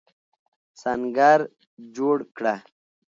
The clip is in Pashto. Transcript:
سنګر جوړ کړه.